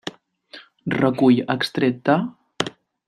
Recull extret de: